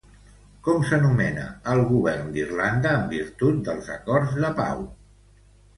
Com s'anomena el govern d'Irlanda en virtut dels acords de pau?